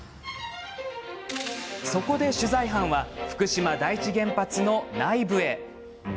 そこで取材班は福島第一原発の内部へ。